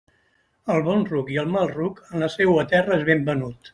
El bon ruc i el mal ruc, en la seua terra és ben venut.